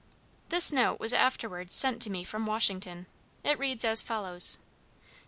This note was afterwards sent to me from Washington. It reads as follows: ST.